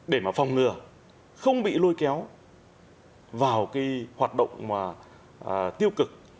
để mà phòng ngừa không bị lôi kéo vào cái hoạt động tiêu cực